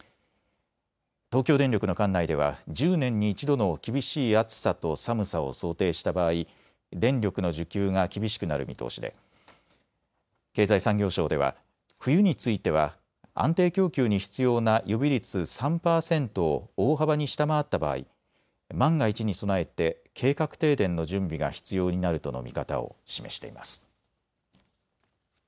東京電力の管内では１０年に１度の厳しい暑さと寒さを想定した場合、電力の需給が厳しくなる見通しで経済産業省では冬については安定供給に必要な予備率３％を大幅に下回った場合万が一に備えて計画停電の準備が必要になるとの見方を示しています。